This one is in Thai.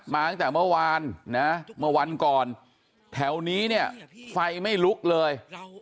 มาตั้งแต่เมื่อวานนะเมื่อวันก่อนแถวนี้เนี่ยไฟไม่ลุกเลย